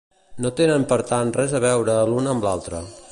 No tenen per tant res a veure l'una amb l'altra.